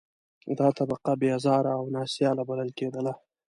دا طبقه بې آزاره او نا سیاله بلل کېدله.